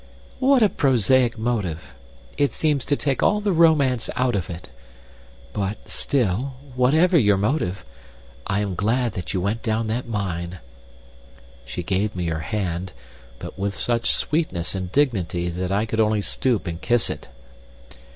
"What a prosaic motive! It seems to take all the romance out of it. But, still, whatever your motive, I am glad that you went down that mine." She gave me her hand; but with such sweetness and dignity that I could only stoop and kiss it.